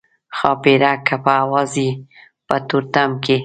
ښاپیرک که په هوا ځي په تورتم کې.